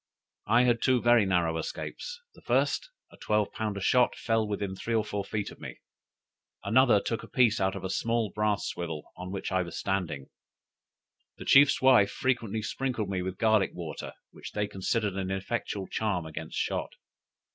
I had two very narrow escapes: the first, a twelve pounder shot fell within three or four feet of me; another took a piece out of a small brass swivel on which I was standing. The chief's wife frequently sprinkled me with garlick water, which they considered an effectual charm against shot.